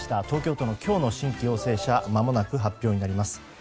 東京都の今日の新規陽性者間もなく発表になります。